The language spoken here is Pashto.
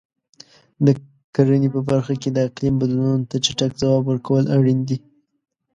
د کرنې په برخه کې د اقلیم بدلونونو ته چټک ځواب ورکول اړین دي.